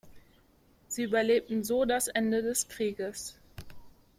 Sie überlebten so das Ende des Krieges.